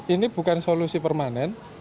ini bukan solusi permanen